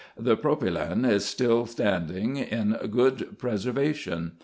The propylaeon is still standing in good pre servation.